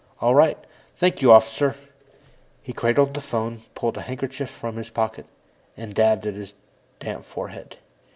All right. Thank you, Officer." He cradled the phone, pulled a handkerchief from his pocket, and dabbed at his damp forehead.